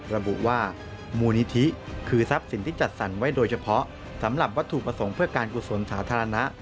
ระบุว่ามูลนิธิคือทรัพย์สินที่จัดสรรไว้โดยเฉพาะสำหรับวัตถุประสงค์เพื่อการกุศลสาธารณะ